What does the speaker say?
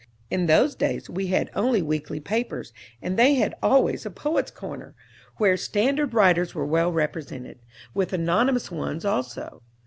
In those days we had only weekly papers, and they had always a "poet's corner," where standard writers were well represented, with anonymous ones, also.